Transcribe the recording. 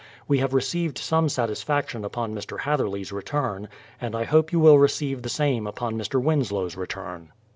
We have received some satisfaction upon ]\Ir. Hatherley's return, and I hope you will receive the same upon Mr. Winslow's return.